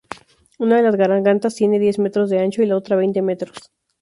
Una de las gargantas tiene diez metros de ancho y la otra veinte metros.